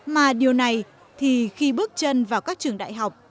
mà điều này thì khi bước chân vào các trường đại học